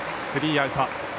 スリーアウト。